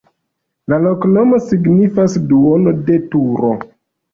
La loknomo signifas: duono de turo.